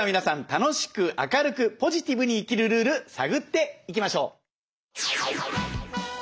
楽しく明るくポジティブに生きるルール探っていきましょう！